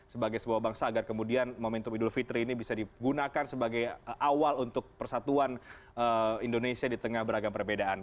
sebagai sebuah bangsa agar kemudian momentum idul fitri ini bisa digunakan sebagai awal untuk persatuan indonesia di tengah beragam perbedaan